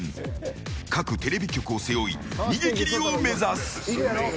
各テレビ局を背負い逃げ切りを目指す。